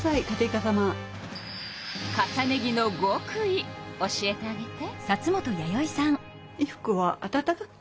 重ね着のごくい教えてあげて。